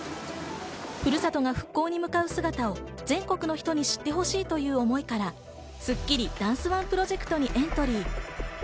ふるさとが復興に向かう姿を全国の人に知ってほしいという思いからスッキリダンスＯＮＥプロジェクトにエントリー。